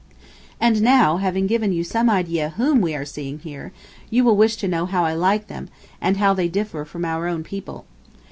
And now, having given you some idea whom we are seeing here, you will wish to know how I like them, and how they differ from our own people.